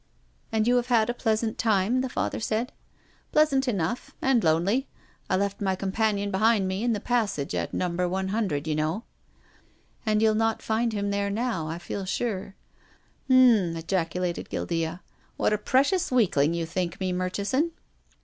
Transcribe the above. " And you have had a pleasant time ?" the Father said. " Pleasant enough, and lonely. I left my com panion behind me in the passage at Number 100, you know." " And you'll not find him there now, I feel sure." " H'm !" ejaculated Guildea. " What a pre cious weakling you think me, Murchison."